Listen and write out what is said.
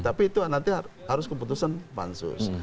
tapi itu nanti harus keputusan pansus